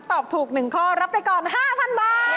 ตอบถูก๑ข้อรับไปก่อน๕๐๐๐บาท